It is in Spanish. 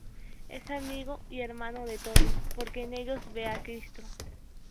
Es amigo y hermano de todos, porque en ellos ve a Cristo.